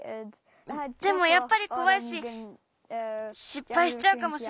でもやっぱりこわいししっぱいしちゃうかもしれない。